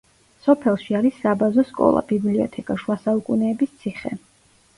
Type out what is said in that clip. სოფელში არის საბაზო სკოლა, ბიბლიოთეკა, შუა საუკუნეების ციხე.